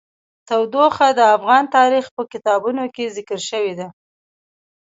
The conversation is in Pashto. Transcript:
تودوخه د افغان تاریخ په کتابونو کې ذکر شوی دي.